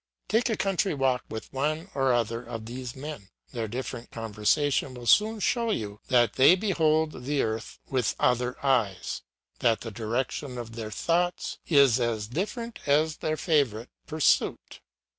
Take a country walk with one or other of these men; their different conversation will soon show you that they behold the earth with other eyes, and that the direction of their thoughts is as different as their favourite pursuit.